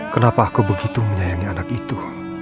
kenapa aku begitu menyayangi anak itu